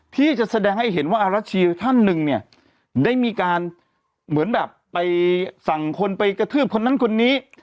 ที่จะแสดงให้เห็นว่าอารัชชีท่านหนึ่งเนี่ยได้มีการเหมือนแบบไปสั่งคนไปกระทืบคนนั้นคนนี้